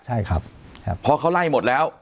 ใช่ครับเพราะเขาไล่หมดแล้ว